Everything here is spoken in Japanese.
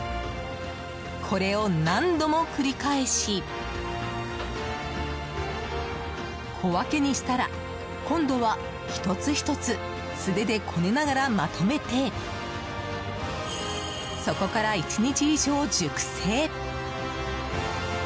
これを何度も繰り返し小分けにしたら今度は１つ１つ素手でこねながらまとめてそこから１日以上熟成。